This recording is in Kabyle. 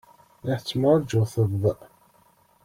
La tettemɛujjuted.